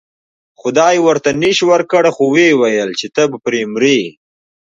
خدای ورته نیش ورکړ خو و یې ویل چې ته به پرې مرې.